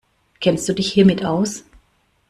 Kennst du dich hiermit aus?